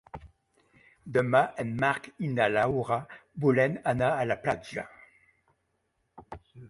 Demà en Marc i na Laura volen anar a la platja.